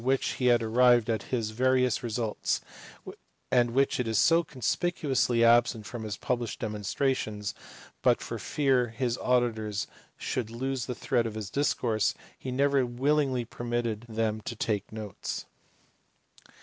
453 which he had arrived at his various results, and which is so conspicuously absent from his published demonstrations; but for fear his auditors should lose the thread of his discourse, he never willingly permitted them to take notes.